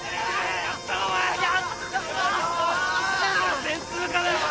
予選通過だよお前！